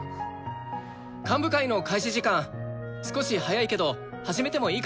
幹部会の開始時間少し早いけど始めてもいいかな？